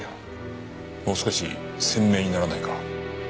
もう少し鮮明にならないか？